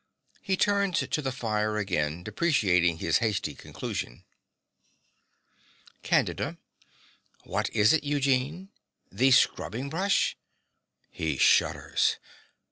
(He turns to the fire again, deprecating his hasty conclusion.) CANDIDA. What is it, Eugene the scrubbing brush? (He shudders.)